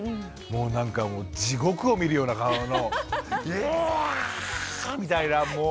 もうなんか地獄を見るような顔のイヤアアアアみたいなもう。